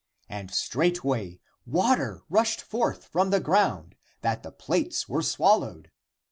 And straightway water rushed forth from the ground, that the plates were swallowed.